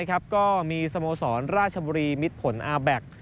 ก็มีสโมสรราชบุรีมิดผลอาแบ็ค